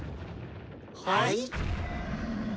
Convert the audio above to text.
はい？